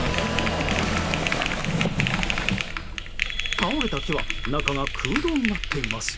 倒れた木は中が空洞になっています。